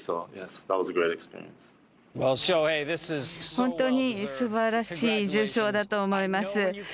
本当にすばらしい受賞だと思います。